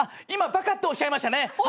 今バカっておっしゃいましたね。